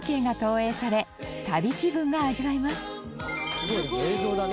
すごいね、映像だね。